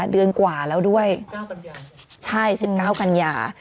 เดือนกว่าแล้วด้วยสิบเก้ากันยาใช่สิบเก้ากันยา